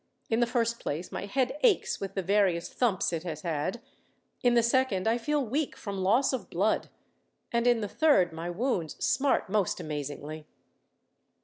In the first place, my head aches with the various thumps it has had; in the second, I feel weak from loss of blood; and in the third, my wounds smart most amazingly."